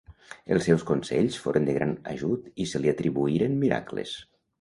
Els seus consells foren de gran ajut i se li atribuïren miracles.